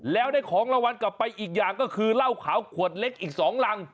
แล้วได้ของรางวัลกลับไปอีกอย่างก็คือเหล้าขาวขวดเล็กอีก๒รัง